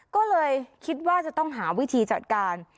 ก็เลยคิดว่าจะต้องหาวิธีจัดการ